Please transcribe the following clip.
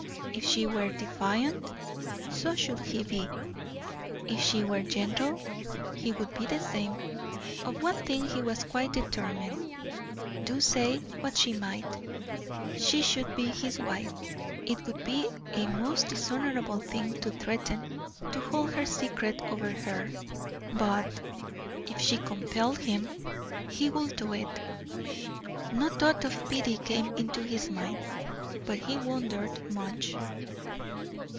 If she were defiant, so should he be; if she were gentle, he would be the same. Of one thing he was quite determined do, say what she might, she should be his wife. It would be a most dishonorable thing to threaten to hold her secret over her; but, if she compelled him, he would do it. No thought of pity came into his mind, but he wondered much.